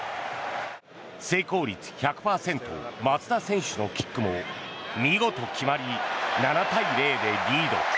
成功率１００％松田選手のキックも見事決まり、７対０でリード。